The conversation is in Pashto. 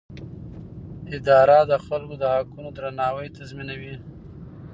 اداره د خلکو د حقونو درناوی تضمینوي.